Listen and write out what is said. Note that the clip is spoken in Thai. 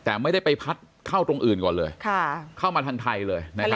แต่ไม่ได้ไปพัดเข้าตรงอื่นก่อนเลยเข้ามาทางไทยเลยนะครับ